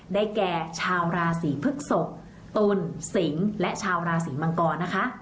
แก่ชาวราศีพฤกษกตุลสิงและชาวราศีมังกรนะคะ